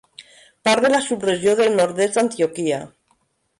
Part de la subregió del nord-est d'Antioquia.